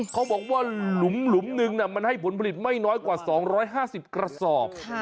เขาบอกว่าหลุมนึงมันให้ผลผลิตไม่น้อยกว่า๒๕๐กระสอบ